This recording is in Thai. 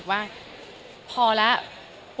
ขอเริ่มขออนุญาต